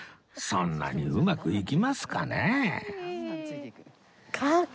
そんなにうまくいきますかね？